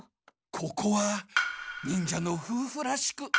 ここは忍者のふうふらしく。